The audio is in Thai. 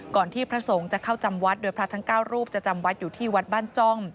ที่พระสงฆ์จะเข้าจำวัดโดยพระทั้ง๙รูปจะจำวัดอยู่ที่วัดบ้านจ้อง